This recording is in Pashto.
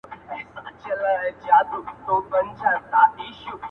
په ځنگله كي سو دا يو سل سرى پاته؛